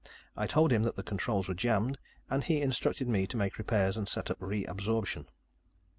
I told him that the controls were jammed, and he instructed me to make repairs and set up re absorption.